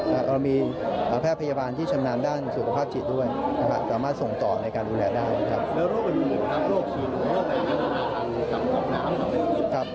เรามีแพทย์พยาบาลที่ชำนาญด้านสุขภาพจิตด้วยนะครับสามารถส่งต่อในการดูแลได้นะครับ